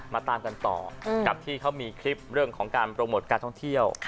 มาตามกันต่อกับที่เขามีคลิปเรื่องของการโปรโมทการท่องเที่ยว